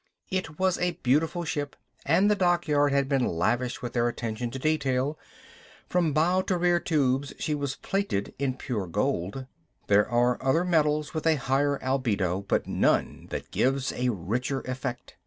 It was a beautiful ship, and the dockyard had been lavish with their attention to detail. From bow to rear tubes she was plated in pure gold. There are other metals with a higher albedo, but none that give a richer effect.